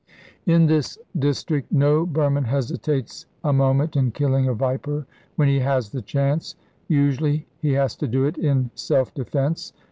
In this district no Burman hesitates a moment in killing a viper when he has the chance. Usually he has to do it in self defence.